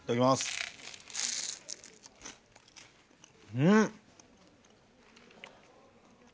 うん。